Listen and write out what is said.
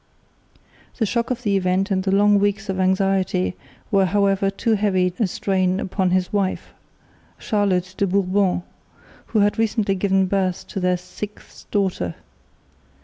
The shock of the event and the long weeks of anxiety were however too heavy a strain upon his wife, Charlotte de Bourbon, who had recently given birth to their sixth daughter.